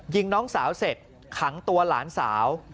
ยิงน้องสาวเสร็จขังตัวหลานสาว